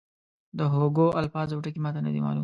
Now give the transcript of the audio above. د هوګو الفاظ او ټکي ما ته نه دي معلوم.